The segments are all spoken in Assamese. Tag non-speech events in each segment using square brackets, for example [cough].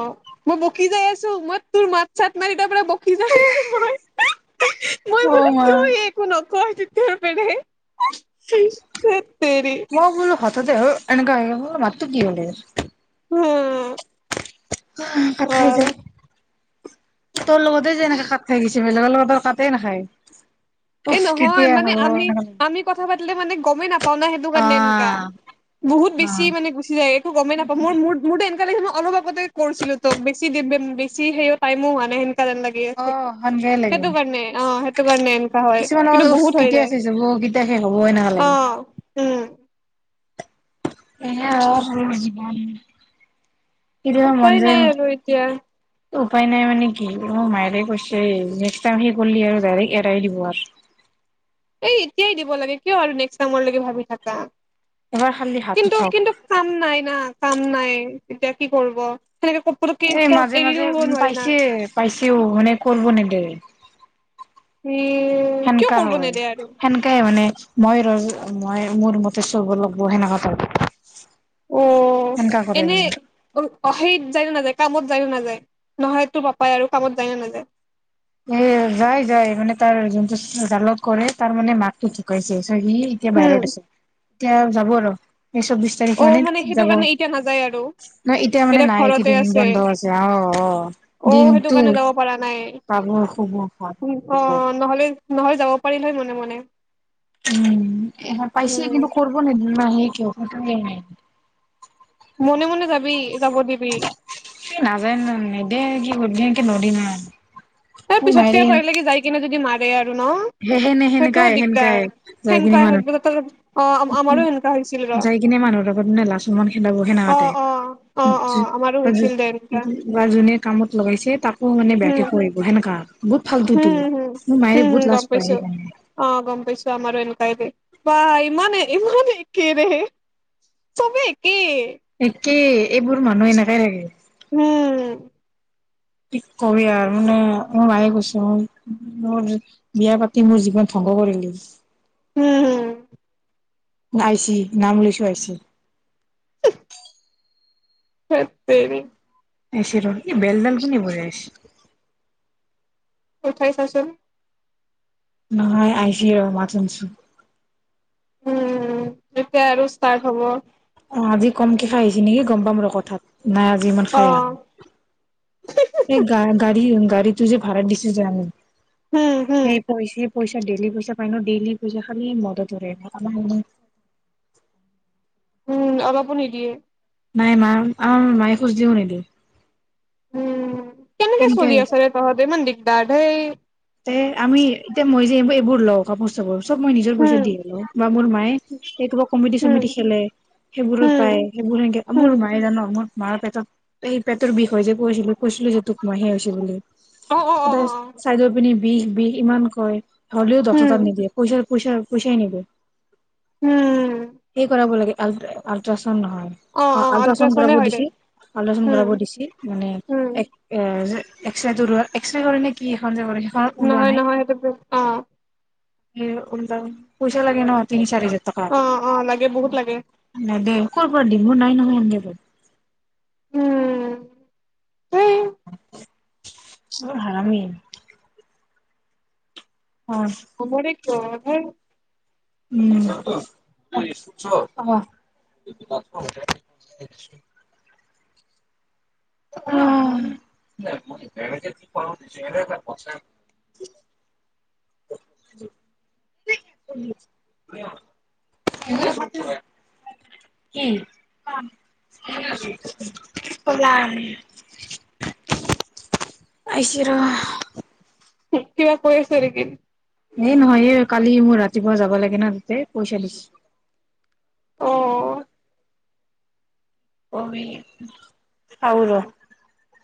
অ মই বকি যাই আছো মই তোৰ মাত চাত মাৰি তাৰ পৰা সজাইছো মই মই অ' বোলো মা কিয় একো নক কৈ [unintelligible] পেলাই কিয় বুলো হত [unintelligible] হুৱে পখ খাই যায়। তোৰ লগতে যে এনেকে কাঠ খাই গৈছে, বেলেগৰ লগতোৰ কাতেই নাখায়। এ উফ নহয় কেতিয়া মানে হ'ব আমি এনেকা আমি কথা পাতিলে মানে গমেই নাপাও না সেইটো কাৰণে তে এনেকা। অ' বহুত বেছি অ' মানে গুচি যায় একো গমেই নাপাওঁ মোৰ মোৰ মোৰ দে এন এনেকা লাগিছে মই অলপ আগ অলপতে কৰিছিলো তোক বেছি বেছি সেইয় টাইমো হোৱা নাই হেন কাৰণ লাগি আছে, অ' সেনকাই লাগে সেইটো কাৰণে অ সেইটো কাৰণে হয় কিন্তু কিছুমানৰ বহুত হৈ কেতিয়া যায় চেস্ হব কেতিয়া শেষ হব এনেকুৱা অ লাগে। উম। এই এ হওঁক সৰু জীৱন। কেতিয়াবা মন উপায় যায় নাই আৰু এতিয়া উপায় নাই মানে কি অ মায়ে কৈছে নেক্স টাই শেষ হলি আৰু ডাইৰেক্ এয়াত দিব আৰ। এই এতিয়াই দিব লাগে কিয় আৰু নেক্স টাইমৰ লৈকে ভাবি থাকা। এবাৰ খালি হাত কিন্তু উঠাওক কিন্তু কাম নাই না। কাম নাই এতিয়া কি কৰিব? সেনেকে পতককে এ মাজে এৰি মাজে দিব উ নোৱাৰি না পাইছে পাইছেও মানে কৰিব নেকি উম। এ কিয় সেনেকা কৰিব হয়, নেদে আৰু সেনেকাইে মানে মই ৰ মই মোৰ মতে চবৰ লাগিব সেনেকুৱা টাইপ অ', সেনেকা কৰে এনে মানে সেইত যায় নে নাযায়? কামত যায় নে নাযায়? ন'হলে তোৰ পাপাই আৰু কামত যায় নে নাযায়? এ যায়, যায় মানে তাৰ যোনটো জালত কৰে তাৰ মানে মাকটো ঢুকাইছে। সি এতিয়া উম বাহিৰত আছে এতিয়া যাব আৰু। এই চৌবিশ তাৰিখ অ মানে সেইটো যাব। কাৰণে এতিয়া নাযায় আৰু ন এতিয়া মানে নাই কেইদিন বন্ধ আছে আহ, অ', অ সেইটো দিনটো কাৰণে যাব পৰা নাই খাব শুব, খাব অ শুব। নহলে ন'হলে যাব পাৰিলে হয় মনে, মনে। উম এ পাইছে উম কিন্তু কৰিব নিদিব না সেইটো। [unintelligible] মনে, মনে যাবি। যাব দিবি। নাজানো [unintelligible] তাৰ পিছতকে মায়েৰে তাই লিকি যায় কিনে যদি মাৰ [unintelligible] সেনে সেনেকাই, সেনেকাই যায় কিনে সেনেকুৱা মানুহ, অ আমাৰো সেনেকুৱা হৈছিল ৰ যায় কিনে মানুহৰ লগত লাজ সম্মান খেদাব অ সেনেকুৱাতে অ অ অ আমাৰো হৈছিল দে এনেকুৱা বা যোনে কামত লগাইছে তাকো মানে বেয়াকে উম কৰিব আহিব সেনেকা। বহুত হম ফাল্টুতো, হম হম মোৰ মায়ে হম বহুত হম লাচ গম পাইছো, অ, ' গম পাইছো আমাৰো এনেকুৱাই দে বা ইমানে, ইমানে একেইৰে, চবে এক [unintelligible] কি এইবোৰ মানুহ এনেকে থাকে। উম। কি কবি আৰু ন? আৰু মানে মই মায়ে কৈছো মোৰ বিয়া পাতি মোৰ জীৱন ধ্বংস কৰিলো। উম, হম। আইচি নাম লৈছো আইছি। [inaudible] হেততেৰি। আহিছে ৰ' এই বেলডাল কোনে বজাইচি উঠাই চাচোন। নহয় আহইছি ৰ মাত শুনচো। উম। এতিয়া আৰু ষ্টাৰ্ট হ'ব। অ আজি কমকে খায় আহিছে নেকি গম পাম ৰ কথাত। নাই আজি ইমান অ খায় আ এই গা গাড়ী, গাড়ীটো যে ভাড়া দিছি যে। হম হম সেই পইছি পইচা ডেইেলি পইচা পাইন ডেইেলি পইচা খালি মদত কৰে ন' উম, অলপো নিদিয়ে। নাই মা অ', মায়ে খোজ দিও নিদিওঁ। উম। কেনেকে চলি আছ তহঁতে ইমান দিগদাৰ। এইেই এ আমি এতিয়া মই যে এই এইবোৰ লওঁ ক বস্তুবোৰ চব মই নিজৰ পইচা উম, দি হ'লো বা মোৰ মায়ে এই কোবা কমিটি উম, চমিটি খেলে সেইবোৰে উম, পায় সেইবোৰ সেকে মোৰ উম, মায়ে জান' ম মাৰ পেটত এই পেটৰ বিষয়ে যে কৈছিলো কৈছিলো যে তোক মাহে হৈছিল বুলি। অ', অ', অ', এটা অ', চাই বিষ, বিষ ইমান কয়। হ'লেও উম, দক্ষতা নিদিয়ে পইচাৰ পুছা, পুছাই নিবি উম, সেই কৰাব লাগে। আল আলট্ৰা টান নহয় অ আল্ট্ৰাচাউণ্ড কৰাব আল্ট্ৰাচাউণ্ডে হয় দে দিছিল আল্ট্ৰাচাউড উম, কৰাব দিছিল মানে উম, এক যে এক্স ৰে ত এক্সৰে কৰি নে কি এখন যে কৰি নহয় নহয় সেইটো অ উলটা পইচা লাগে ন তিনি চাৰি হাজাৰ টকা অ অ লাগে বহুত লাগে নাই দে ক'ৰ দিম মোৰ নাই নহয় আনগে ব উম উ অ হমিম হয় অ উম আহ অ কি আহচ কিবা পইছাৰ গ এই নহয় কালি মোৰ ৰাতিপুৱা যাব লাগে ন তাতে পইচা দিছো অ', হ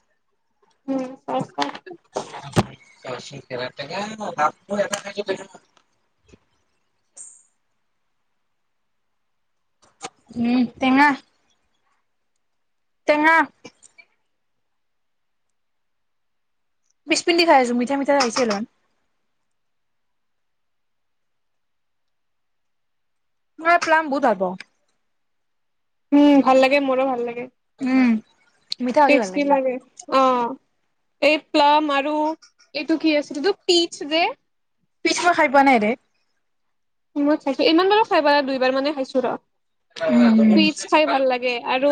উম চা শ উম তেঙা তেঙা বিছ পিন খাই আছো মিঠা মিঠা খাইছিলয় ম প্লাম বুধ হব উম ভাল লাগে মোৰো ভাল উম মিঠা লাগে হ'লে ভাল ষ্টি লাগে অ এই প্লাম আৰু এইটো কি আছে পিচ দে পিঠা খাই পোৱা নাই ৰে মই খাইছো ইমান বাৰো খাই বা দুইবাৰ মানে খাইছো ৰ পিচ খাই ভাল লাগে আৰু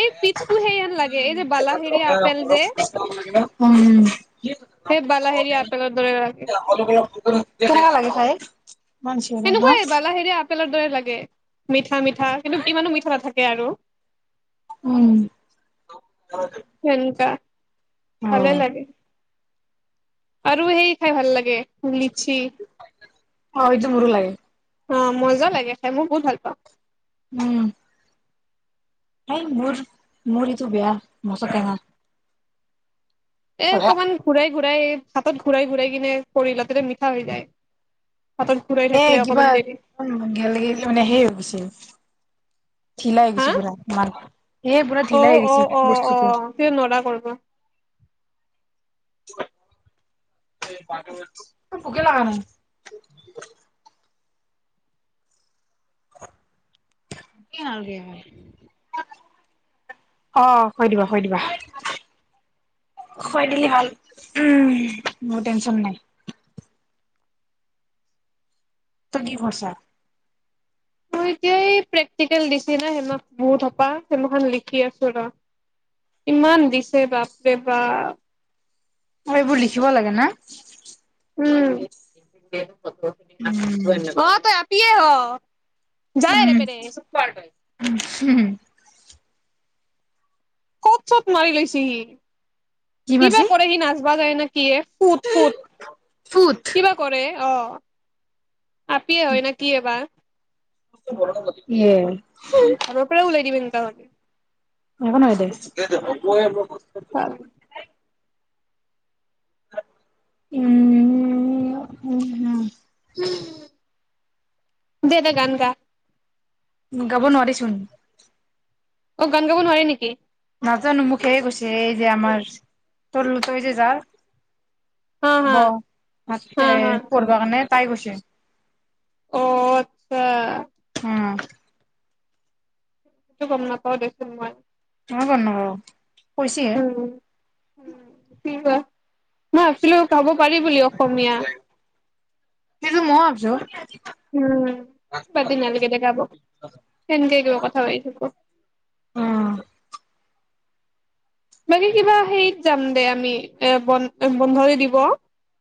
এই পিচটো সেই হেন লাগে এই যে বালাহেৰীয়া আপেল যে সেই বালাহেৰীয়া আপেলৰ দৰে লাগে ইমান চিঞৰে হা সেনেকুৱাই বালাহ হেৰি আপেলৰ দৰে লাগে মিঠা মিঠা কিন্তু ইমানো মিঠা নাথাকে আৰু উম ঘেন্তা অ ভালে লাগে আৰু সেই খাই ভাল লাগে লিচি অ ইটো মোৰ লাগে অ মজা লাগে খাই মই বহুত ভাল পাওঁ উম এই মোৰ মোৰ এইটো বেয়া মচ না এ অকমান ঘূৰাই ঘূৰাই হাতত ঘূৰাই ঘূৰাই কিনে পৰিল তেয়া মিঠা হৈ যায় হাতত ঘূৰাই এ থাকিলে কিবা অকমান দেৰি গ মানে সেই হৈ গৈছে ঢিলাই হৈ হা গৈছে পুৰা ম এই পুৰা অ ঢিলাই হৈ অ গৈছে অ অ বস্তুটো [unintelligible] তেতিয়া নৰা কৰিব পোকে লগা নাই অ থৈ দিবা থৈ দিবা থৈ দিলি হল উ মোৰ টেনচন নাই [unintelligible] ত কি কৰিছা মই এতিয়াই প্ৰেক্টিকেল দিছি না সেইম বহুত হপাহ সেইখন লিখি আছো ৰ ইমান দিছে বাপে ৰে বাপ অ এইবোৰ লিখিব লাগে ন উম উম অ তই আহ [unintelligible] পিয়হ যাই উম পে [unintelligible] উম ক'ত চ'ত মাৰি লৈছেহি কি কিবা মাৰছি কৰে সি নাজানো পোৱা গয় ন কি ফুত ফুত ফুট কিবা কৰে অ [unintelligible] আপিয়ে হয় ন কি এবাৰ এয়াই তাগে [unintelligible] একো নহয় দে হে [unintelligible] উম উ [unintelligible] দে দে গান গা গাব নোৱাৰিছোন [unintelligible] অ গান গাব নোৱাৰি নেকি নাজানো মোক সেয় কৈছে এই যে আমাৰ তো ত যে যাঅ হা [unintelligible] ব হা হা আছে হা। পৰবাগানে তাই কছে অ আত্ছা উম কিন্ত গম নাপাও দেচোন মই [unintelligible] ন পনাব [unintelligible] কৈছেহে উম চব [unintelligible] মই ভাবিছিলো খাব পাৰি বুলি অসমীয়া কিন্তু মই [inaudible] উম ক ব দিনালৈকে লগাব সেনেকে কিবা কথা পাতি থাকো [unintelligible] উম বাকী কিবা সেইত যাম দে আমি এ ব বন্ধ দি দিব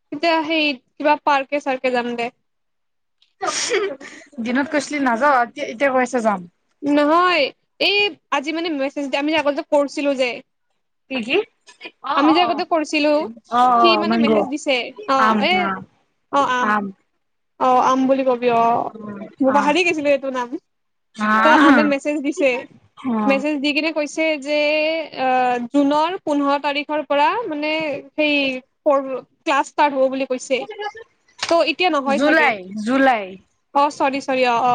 তেতিয়া সেইত কিবা পাৰ্কে চাৰ্কে যাম দে দিনত কৈছিলি নাযাওতিয়া এতিয়া কৈ আছে যাম নহয় এই আজি মানে মেছেজ আমি যে আগ যে কৰিছিলো যে কি কি অ আমি অ যে আগতে কৰিছিলো অ সি অ মানে মেংগ মেছেজ দিছে অ' আম এ আ আম অ আম বুলি কয় অ মই আম পাহাৰি গৈছিলো এইটো নাম হা ত আমাক মেছেজ দিছে অ মেছেজ দি কিনে কৈছে যে অ জুনৰ পোন্ধৰ তাৰিখৰ পৰা মানে সেই প ক্লাছ ষ্টাৰ্ট হব বুলি কৈছে ত এতিয়া নহয় চাগে জুলাই জুলাই অ চ নিশ্চয় সাৰি আও অ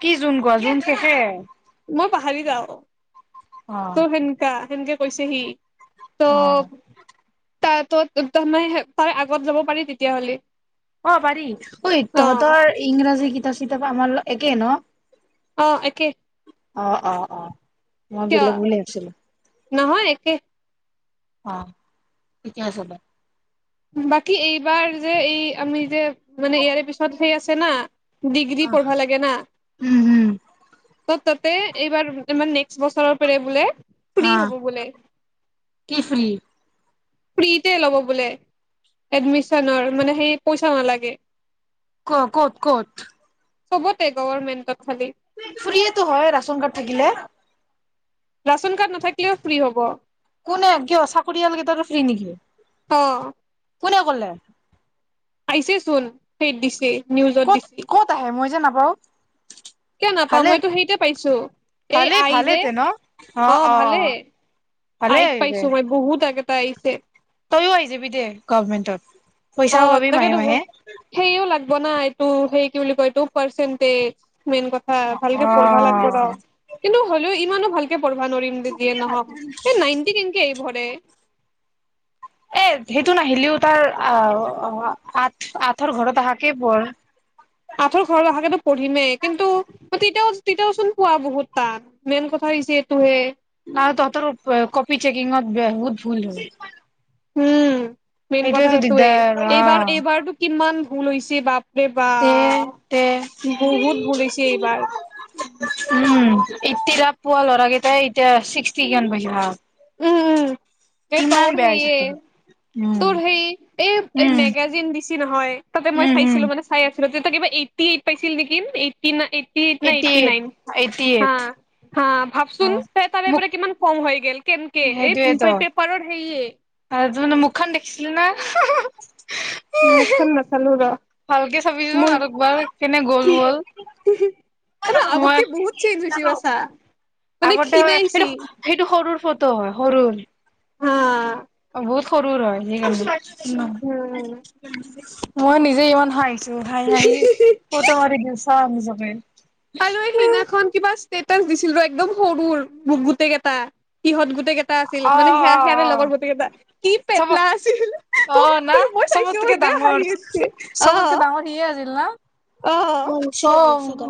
কি জোন ক জোন হে এহে মই পাহৰি যাওঁ ত সেনকা সেনকে কৈছে সি ত অ ত ত ত মে তাৰে আগত যাব পাৰি তেতিয়াহ'লে অ পাৰি ঐ অ তহঁতৰ ইংৰাজী কি তাপ চিতাপ আমাৰ লগত একেই ন অ একে অ অ অ মই কিয় বেলেগ বুলি ভাবিছিলোঁ নহয় একে অ ঠিকে আছে দে বাকী এইবাৰ যে এই আমি যে মানে ইয়াৰে পিছত সেই আছে না ডিগ্ৰী পঢ়বা লাগে না উম উম তত ততে এইবা ইমান নেক্সট বছৰৰ পৰে বোলে ফ্ৰী আহ হ'ব বোলে কি ফ্ৰি ফ্ৰীতে ল'ব বোলে এডমিশ্যনৰ মানে সেই পইচাও নালাগে ক কত কত চবতে গভৰ্মেণ্টতত খালি ফ্ৰীয়েটো হয় ৰাচন কাৰ্ড থাকিলে ৰাচন কাৰ্ড নাথাকিলেও ফ্ৰী হ'ব কোনে কিয় চাকৰিয়ালকেতাৰো ফ্ৰী নেকি অ কোনে কলে আহিছে চোন সেইত দিছে নিউজত কত দিছে কত আহে মই যে নাপাওঁ কিয় নাপাওঁ মইতো সেইতে পাইছো এই ভালেই আই ভালে যে তে ন অ ভালে ভালে আইত পাইছো মই বহুত আগতে তাইছে তইয়ও আহি যাবি দে গভমেন্টত অ পইচাও পাবি মাহে তাকেইেতবো মাহে সেও লাগ বনাই ত সেই কি বুলি কয় ত পাৰ্চেণ্টেজ মেইন কথা ভালকে পঢ়বা লাগব ৰ অ কিন্তু হ'লেও মানে ভালকে প্ৰহিবা নোৱাৰম দেজিয়ে নহক এই নাইনটি কেনকে এই বে এ সেইটো নাহিলিও তাৰ আহ আঠ আঠৰ ঘৰত অহাকেই বৰ আঁঠৰ ঘৰ অহকে টো পঢ়িমেই। কিন্তু তেতিয়াও তেতিয়াও চোন পোৱা বহুত তান মেইন কথা হৈছে এইটোহে ন তহঁতৰ কপি চেকিংত ব্য-বহুত ভুল হ'ল উম মেইন কথা সেইটোয়ে দিগদাৰ অ এইবাৰ, এইবাৰটো কিমান ভুল হৈছে বা তে, তে বহুত ভুল হৈছে এইবাৰ উম এইট্টি আপ পোৱা ল'ৰা কেইটাই এতিয়া ছিক্সটি কিমান পাইছে ভাব উম, উম এই কিমান তোৰ বেয়া হৈছে সেয় তোৰ উম তোৰ সেই এই, এই উম মেগাজিন দি বেছি নহয় তাতে মই উম উম চাইছিলো মানে চাই আছ তেতিয়া কিবা এইটি এইট পাইছিল নেকি eighty eighty eighty eight, eighty eight হা ভাবচোন অ তাৰ-তাৰে মোক পাৰে কিমান কম হয় কেনেকে সেইটোয়েতো এই পেপাৰৰ হেই আৰু মুখখন দেখিছিলি না মুখখন নাচালো ৰ ভালকে চাবিচোন মোৰ আৰু একবাৰ কেনে গল, গল আগতকে বহুত মই চেঞ্জ হৈছে বা চা মানে আগতে ক্ষীণাইছি সেইটো, সেইটো সৰুৰ ফট [unintelligible] হা বহুত সৰুৰ হয়, উম হেই [unintelligible] মই নিজে ইমান হাহি হাঁহি, হাঁহি ফটো মাৰি দিছ চা নিজকে আৰু এই সিদিখন কিবা ষ্টেতাচ দিছিল ৰ, একদম সৰুৰ গোটেই কেটা সিহঁত গোট গোটেইকেইটা আছিল অ মানে অ সেয়া, সেয়া অ ল-লগৰ গোটেইকেইটা কি চব পেটলা আছিল। অ না মই চাইছো চবতকে মোৰ বেয়া ডাঙৰ হাঁহি উঠছে অ চবতকে ডাঙৰ সি আছিল না অ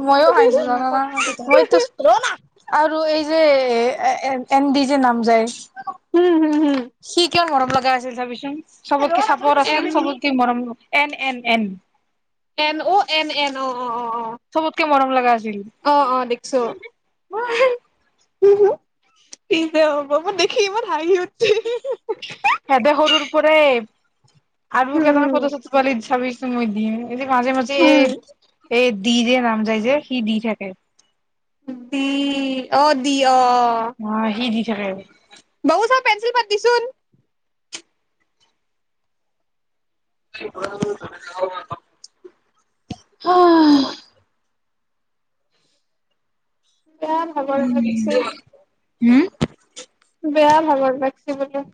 মইয়ো হাঁহিছো জাননে, হম মইতো আৰু এই যে এন ডি যে নাম যায় উম হুম শি কিয় মৰম লগা আছিল চাবিচোন। সবতকৈ চাপপৰ এম আছিল সবতকৈ মৰম এন এন এন এন অ' এন এন অ'। অ অ চবতকে মৰম লগাছে অ অ দেখিছো [unintelligible] উ কি যে হ'ব মই দেখি ইমান হাঁহি উ হেদ সৰুৰ পৰাৰে আৰুকেবা উম ফটো চটো পালে ছাবি সময় দিয়ে এয়া মাজে মাজে উম এই দি যে নাম যায় যে সি দি থাকে। দি অ দি অ অ হি দি থাকে বু চা পেন্সিল মান দিছোন আহ বেয়া খাবৰ লাগছে উম বেয়া ভাগৰ লাগছে বোলো